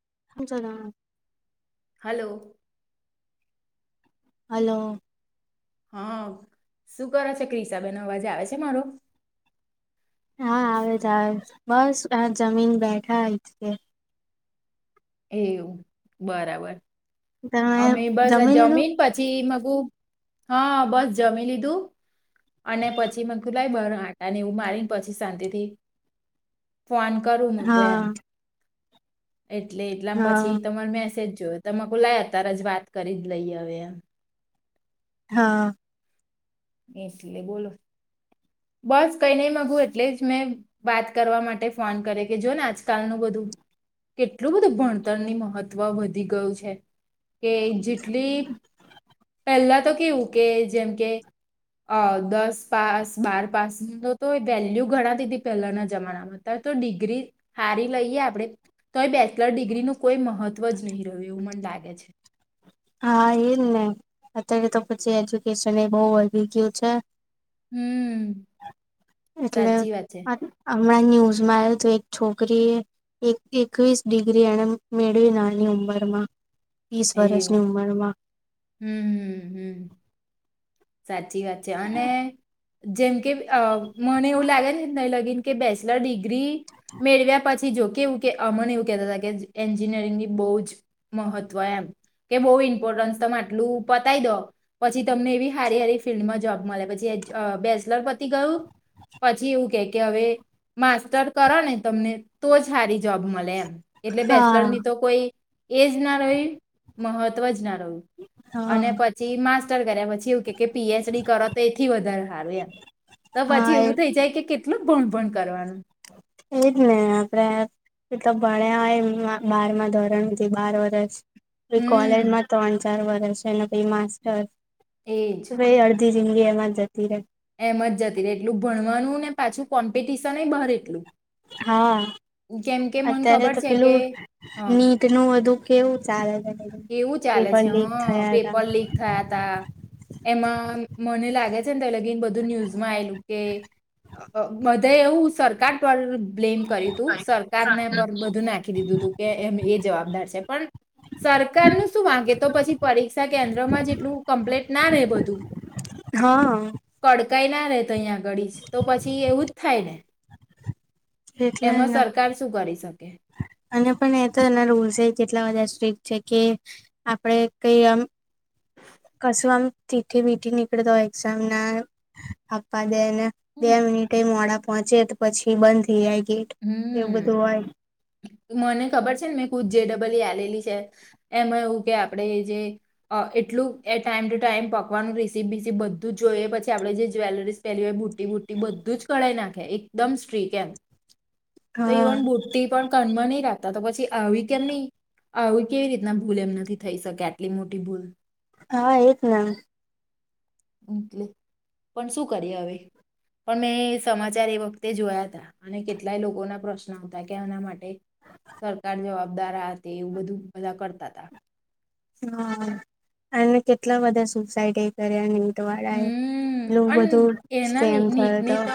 [unintelligible] Hello hello હા શું કરો છે ક્રિષાબેન અવાજે આવે છે મારો હા આવે જ આવે છે. બસ આ જમી ને બેઠા હિચકે એવું બરાબર તમે અમે બસ આ જમી લીધું જમીન પછી હા બસ જમી લીધું અને પછી મે ખુલાય બ આટા ને એવું મારીને પછી શાંતિથી ફ્વાન કરું મકો હા એમ એટલે એટલામ હા પછી તમાર મેસેજ તકુલા અત્યારે જ વાત કરી જ લઈ હવે એમ હા એટલે બોલો બસ કઈ નહી માગુ એટલે જ મેં વાત કરવા માટે ફોન કરે કે જો ને આજકાલનું બધું કેટલું બધું ભણતરની મહત્વ વધી ગયું છે કે જેટલી પહેલા તો કેવું કે જેમ કે અ દસ પાસ બાર પાસનું તો તો વેલ્યુ ગણાતી હતી પહેલાના જમાનામાં ત તો ડિગ્રી હારી લઈએ આપણે તો બેચલર ડિગ્રીનું કોઈ મહત્વ જ નહીં રહ્યું એવું મને લાગે છે હા એજ ને અત્યારે તો પછી એજ્યુકેશન એ બહુ વધી ગયું છે હમ એટલે સાચી વાત છે હમણાં ન્યૂઝમાં આવ તો એક છોકરીએ એક એકવીસ ડિગ્રી એને મેળવી નાની ઉંમરમાં. વીસ વર્ષ. હમ એવું હમ હમ. સાચ. સાચી વાત છે અને. જેમ કે. અ મને એવું લાગે છે ન તઇ લગીન. કે બેચલર ડિગ્રી મેળવ્યા પછી જોકે એવું કે અમને એવું કેહેતા હતા કે એન્જિનિયરિંગની બહ જ મહત્વ એમ કે બહુ ઇમ્પોર્ટન્સ તમે આટલું પતાય દો પછી તમને એવી. સારી સારી ફિલ્ડમાં જોબ મળે પછી બેચલર પતી ગયું પછી એવું કે કે હવે માસ્ટર કરો ને તમને તો જ સારી જોબ મળે એમ. એટલે બેચલર હા ની તો કોઈ. એજ ના રહી મહત્વ જ ના. [inaudible] હા અને પછી માસ કર્યા પછી. પીએચડી કરો તો એથી વધારે સારું એમ તો હા પછી એ એવું થઈ જાય કે. કેટલું ભણ ભણ કરવાનું. એજ ને આપડે એ તો ભણ્યા હોય બારમાં ધોરણથી બાર વર્ષ. પછી હમ કોલેજમાં ત્રણ ચાર વર્ષ એના પછી માસ્ટર એજ. પહી અડધી જીંદગી એમાં જ જતી રહે એમા જ જતી રહે એટલું ભણવાનું ને પાછું કોમ્પિટિશનેય બહાર એટલું. હા કેમ કે મને અત્યારે ખબર તો છે કે પેલું હ નીટ નું બધું. કેવું ચાલે. છે કેવું ચાલે પેપર છે લીક હ થયા તા પેપર લીક થયા તા એમાં મને લાગે છે. તો લગી બધું ન્યુઝમાં આવેલું કે બધા એવું સરકાર પર બ્લેમ કર્યું તું સરકારને પર બધું નાખી દીધું તું કે એમ એ જવાબદાર છે પણ. સરકાર ન શું વાગે તો પછી પરીક્ષા કેન્દ્રમાં જેટલું કમ્પ્લેટ ના રહેે બધું હા કડકાઈ ના રહેે તો અહીંયા આગળ જ તો પછી એવું જ થાય ને. એટલા જ એમાં ના સરકાર શું કરી શકે અને પણ એ તો એના રૂલ્સ કેટલા બધા સ્ટક જે કે આપડે કઈ આમ કશું આમ તીખી મીઠી નીકળે તો એક્ઝામ ના આપ્પા દેને બે હમ હમ. મિનિટેય મોડા પહોંચે પછી બંધ જાય ગેટ હ, એવું બધું હોય મને ખબર છે ને મેં કુ જેડબલઈ આલેલી છે એમાં એવું કે આપડે જે એટલું એ ટાઈમ ટુ ટાઈમ પોકવાનું રેસીપ, બીસીપ બધું જ જોઈએ પછી આપડે જે જ્વેલરીસ પહેલી હોય બુટી, બુટી બધું જ કઢાઈ નાખે એકદમ સ્ટ્રીક એમ તો ઈવન હા બુટ્ટી પણ કાનમાં ની લતા તો પછી આવી કેમ ની આવી કેવી રીતના ભૂલ એમ નથી થઈ શકે આટલી મોટી ભૂલ હા, એક ના પણ શું કરીએ, હવે પણ મેં સમાચાર એ વખતે જોયા તાઅને કેટલાય લોકો ના પ્રશ્ન આવ હતા કે આના માટે સરકાર જવાબ દારા તે એવું બધું બધા કરતા હતા હા, અને કેટલા બધા સુસાઈડ એ કર્યા ને એવું દ્વારા હમ એલું અને બધું એના સ્કેમ થયો નીટની હતો તો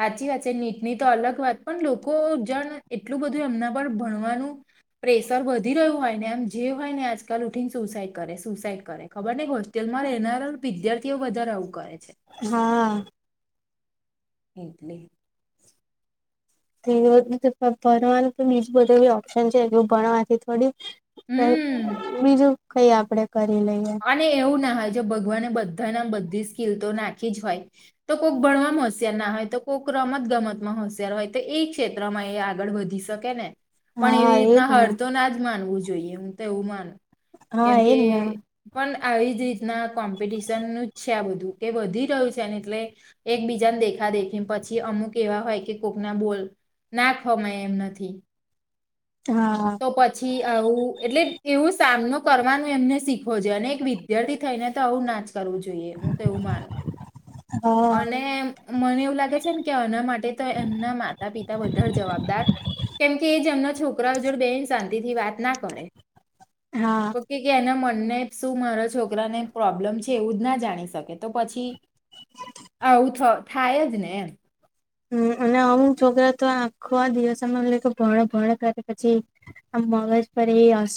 સાચી વાત નીટ ની તો અલગ વાત પણ લોકો જણ એટલું બધું એમના પર ભણવાનું પ્રેશર વધી રહ્યું હોય ને એમ જે હોય ને આજકાલ ઉઠીને સુસાઈડ કરે સુસાઈડ કરે ખબર ને જેલમાંરેહેના વિદ્યાર્થી તેઓ વધારે આવું કરે છે હા એટલે તે ભણવાનું તો બીજું બધું એ ઓપ્શન છે એ ભણવાથી થોડી હમ બીજું કઈ આપડે કરી લઈએ અને એવું ના હત ભગવાનને બધા નામ બધી સ્ કિલ તો નાખી જ હોય તો કોઈક ભણવાવામાં હોશિયાર ના હોય તો કોઈક રમત ગમતમાં હોશિયાર હોય તો એ ક્ષેત્રમાં એ આગળ વધી શકે ને પણ હા એવી રીતના એજ ને હળ તો ના જ માનવું છેએ જોઈએ હું તો એવું માનુ હા એજ ને પણ આવી જ રીતના કોમ્પિટિશનનું જ છે આ બધું કે વધી રહ્યું છેને એટલે એક બીજાને દેખા દેખી પછી અમુક એવા હોય કે કોકના બોલ નાખવામાંય એમ નાથી હા તો પછી આવું એટલે એવો સામનો કરવાનું એમને શીખ અને એક વિદ્યાર્થી થઈ ને તો આવું નાજ ું જોઈ તો એું માનું હા અને મને એવું લાગે છે ને કે આના માટે તો એમના માતા પિતા વધારે જવાબદાર કેમકે એજમના છોકરાઓ જોડ બેન શાંતિ થી વાત ના કરે હા કોકી કના તમને શું મારા છોકરાને પ્રોબ્લેમ છે એવું જ ના જાણી શકે તો પછી આવું થાય જ ને એમ હમ્મ અને અમુક છોકરા તો આખો આ દિવસમાં ભણ ભણ કરે પછી આ મગજ પર એ અસ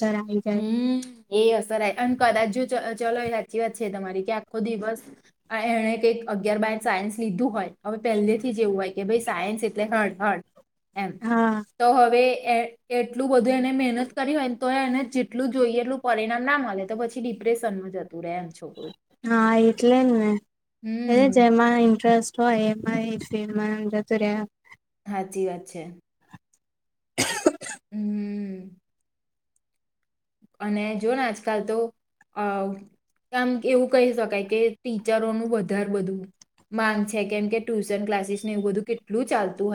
હમ્મ એ અસર આઈ અને કદાજ જો જ ચાલો એ સાચી વાત છે તમારી કે આખો દિવસ એણે કઈક અગિયાર બાર સાયન્સ લીધું હોય હવે પહેલેથી જ એવું હોય કે ભાઈ સાયન્સ એટલે હાર્ડ હાર્ડ. એમ હા તો હવે એ એટલું બધું એને મહેનત કરી હોય ને તો એને જેટલું જોઈએ એટલું પરિણામ ના મળે તો પછી ડિપ્રેશનમાં જતું રહે એમ છોકરું હા એટલે ને. એ હમ જેમાં ઇન્ટરેસ્ટ હ એમાં એ સ્ટ્રીમ વાલાનું જતું રીહ્યા. હાચી વાત છે. હમ્મ. અને જો ને આજકાલ તો અ આામ એવું કહી શકાય કે ટીચરોનું વધારે બધું માંગ છે કેમ કે ટ્યુશન ક્લાસીસ ને એવું બધું કે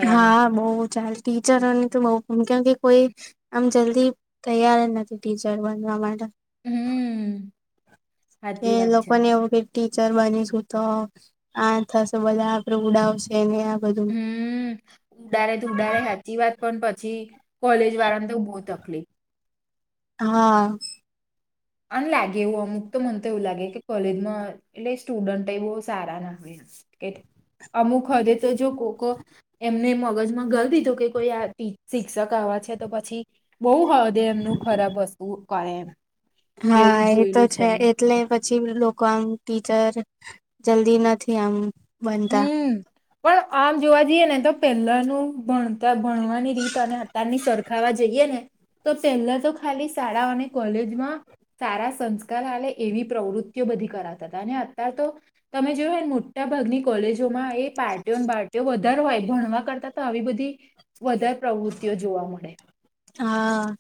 હા બઉ ચાલ ટીચરોની તો બઉ હમ્મ કે કે કોઈ આમ જલ્દી તૈયાર નથી ટીચર બનવા માટે. હમ્મ. એ લોકો ને એવું કે ટીચર બનીશું તો આ થશે બધા આપડે ઉડાવશે ને આમ. હમ્મ ઉડારે તો ઉડારે સાચી વાત પર પણ. પછી કોલેજ વાળા ને તો બોહ તકલીફ. હા. અને લાગે એવું અમુક તો, મને તો એવું લાગે કે કોલેજમાં એટલે સ્ટુડન્ટ એય બહું સારા નથી, એટ, અમુક હદે તો જો કોકો એમને મગજમાં ઘાલ દીધું કે કોઈ આ પી શિક્ષક આવા છે તો પછી બહુ હદે એમનું ખરાબ વસ્તુ કહે એમ. હા એવું એ તો જોયેલું છે, મેં એટલે પછી લોકો આમ ટીચર જલ્દી નથી આમ બનતા. હમ પણ આમ જોવા જઈએ ને તો પહેલાનું ભણ તા ભણવાની રીત અને અતારની સરખાવવા જઈએે ને તો પહેલા તો ખાલી શાળા અને કોલેજમાં સારા સંસ્કાર આલે એવી પ્રવૃત્તિઓ બધી કરાવતા તા, અને અત્યાર તો તમે જોયું હોય મોટા ભાગની કોલેજ જો માં એ પાર્ટીઓ બાર્ટીઓ બધ દર હોય, ભણવા કરતા તો આવી બધી વધારે પ્રવૃતિઓ જોવા મળે. હા.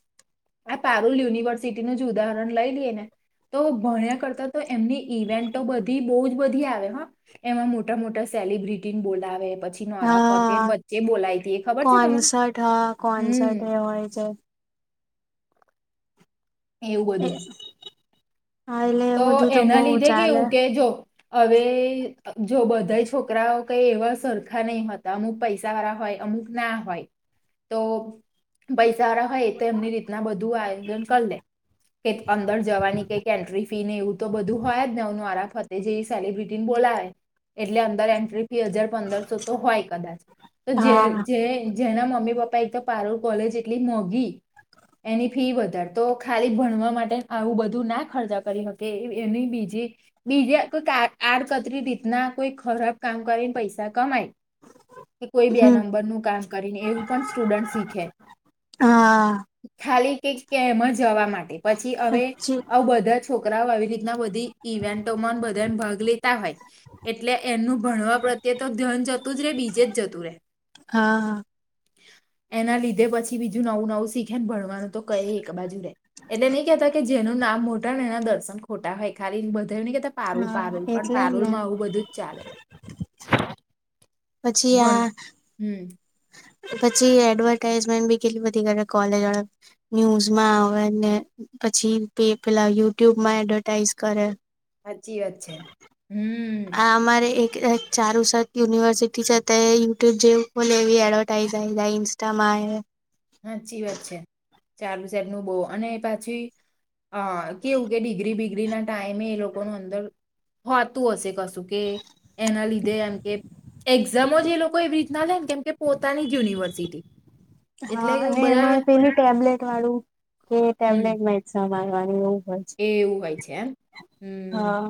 આ પારુલ યુનિવર્સિટીનું જ ઉદાહરણ લઈ લીએ ને, તો ભણ્યા કરતા તો એમની ઇવેન્ટો બધી બહુ જ બધી આવે હં, એમાં મો ટા-મોટા સેલિબ્રિટીન બોલાવે નોરા ફતેહીને હા, વચ્ચે બોલાવી હતી એ ખબર છે તમને કોન્સર્ટ હા, કોન્સર્ટ હમ એ હોય છે. એવું બધું. હા એટલે એ તો બધું એના બહુ લીધે ચાલે કેવું કે જો હવે જો બધા છોકરાઓ કઈ એવા સરખા નહી હતા અમુક પૈસા વાળા હોય અમુક ના હોય તો પૈસા વાળા હ એ તો એમની રીતના બધું આયોજન કરી લે. એક અંદર જવાની કઈક એન્ટ્રી ફી ને એવું તો બધું હોય જ મારા ફતે જે સેલિબ્રિટીને બોલાવે એટલે અંદર એન્ટ્રી બે હજાર પંદરસો તો હોય કદાચ તો હા જે જેના મમ્મી પપ્પા એક તો પારોર કોલેજ એટલી મોઘી એની ફી વધારે તો ખાલી ભણવા માટે આવું બધું ના ખર્ચા કરી શકે એની બીજી બીજા કો આડકતરી રીતના કોઈ ખરાબ કામ કરીને પૈસા કમાય કે કોઈ બે હમ નંબરનું કામ કરીને એવું પણ સ્ટુડન્ટ શીખે હા. ખાલી કે કે એમ જવા માટે પછી હવે પછી આવું બધા જ કરા આવી રીતના બધી ઇવેન્ટોમાં બધાને ભાગ લેતા હોય એટલે એમનું ભણવા પ્રત્યે તો ધ્યાન જતું જ રે બીજે જ જતું રે હા એના લીધે પછી બીજું નવું નવું શીખે ભણ ભણવાનું તો તઈ એક બાજુે રે એટલે નહી કતા કે જેનું નામ મો એના દર્શન ખોટા હોય ખાલી બધા બધા નઈ કેતા પારૂલ હા પારોલ પણ એટલે જ ને. પારોલમાં આવું બધું જ ચાલે પછી આ ભણ હમ પછી એડવર્ટાઈઝમેન્ટ બી કેટલી બધી કરે કોલેજવાળા ન્યુઝમાં આવે ને પછી પેલા યુટ્યુબમાં એડવર્ટાઈઝ કરે. સાચી વાત છે હમ આ અમારે એક ચારુસત યુનિવર્સિટી જ હતા યુટ્યુબ જે ખોલે એવી એડવર્ટાઈઝ જાય ઇન્સ્ટામાં આવે સાચી વાત છે ચારુસતનું બહુ અને પાછી હા કેવું કે ડિગ્રી બીગ [inaudible] ના ટાઈમે એ લોકોનું અંદર હોતું હશે કશું કે એના લીધે એમ કે એક્ઝામો જ એ લોકો એવી રીતના લે ને કેમ કે પોતાની જ યુનિવર્સિટી હા એટલે અને બધા એમાંરે પેલું ટેબ્લેટ વાળું કે ટેબ્લેટ મા એક્ઝામ નાનુ એવુ એ એવું હોય છે એમ હા હમ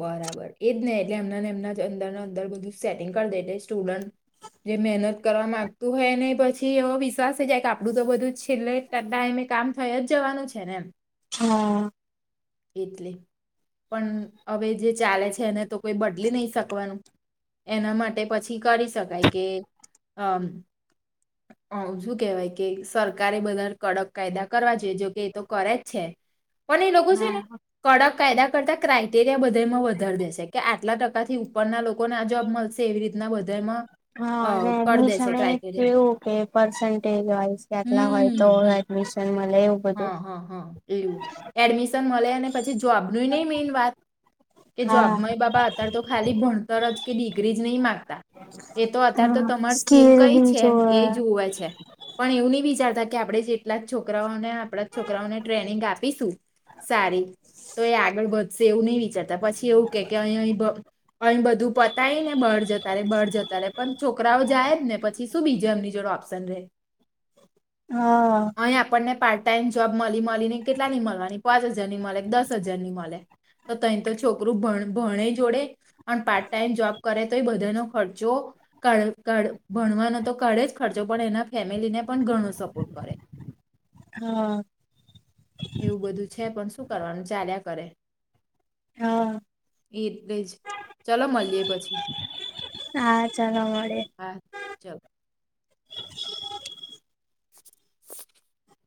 બરાબર એજ નહ એટલે એમનાને એમના અંદર અંદર બધું સેટિંગ કરી દે એટલે સ્ટુડન્ટ જે મહેનત કરવા માંગતું હોય ને પછી એવ વિશ્વાસ છે જાય કે આપડું તો બધું છેલ્લેતા એ કામ થય જ જવાનું છે ને એમ હા એટલે પણ હવે જે ચાલે છે એને તો કોઈ બદલી નહી શકવાનું એના માટે પછી કરી શકાય કે આમ હ શું કેહેવાય કે સરકારે બધા કડક કાયદા કરવા જોઈએ જોકે એ તો કરે જ છે પણ એ લોકો છે ને હા કડક કાયદા કરતા ક્રાઈટેરિયા બધામાં વધારી દેશે કે આટલા ટકાથી ઉપરના લોકોને આ જોબ મળશે એવી રીતના બધામાં હા અ, અને કરી એમની દેશે સામે એ ક્રાઇટેરિયા કેવું કે પર્સન્ટેજ વાઇસ કે આટલા હોય તો હમ હમ એડમિશન મળે એવું બધું. હા હા હા લું એડમિશન મળે અને પછી જોબ જોઈ નઈ મેન વાત કે જો હા. મમ્મી પપ્પા અત્યારે તો ખાલી ભણતર જ કે ડિગ્રી જ [unintelligible] એ તો અત્યારે તો હા તમાર સ્કીિલ સ્કીલ કઈ બી છે જોવે. એ જુવે છે પણ એવું નહી વિચારતા કે આપણેે જેટલા જ છોકઓ આપણા જ છોકરાઓને ટ્રેનિંગ આપીશું સારી તો એ આગળ વધ સ એવું નહી વિચારતા પછી એવું કે અહી અહી બધું પતાય ને બળ જતા ર બળ જતા રે પણ છોકરાઓ જાય જ ને પછી શું બીજે એમની જોડે ઓપ્શન રહે હા. અહીં આપણને પાર્ટ ટાાઈમ જોબ મળી મળીને કેટલાની મળવાની, પાંચ હજારની મળે કે દસ હજારની મળે તો તં તો છોકરું ભણે જોડે પણ પાર્ટ ટાાઈમ જોબ કરે તો એ બધાનો ખર્ચો ભણવાનો તો કાઢે જ ખર્ચો પણ એના ફેમિલીને પણ ઘણો સપોર્ટ કરે હા. એવું બધું છે પણ શું કરવાનું ચાલ્યા કરે. હા એટલે જ ચલો મળીએ પછી. હા ચાલો મળે. હા ચાલ. [inaudible]